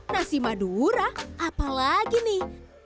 nasi madura apa lagi nih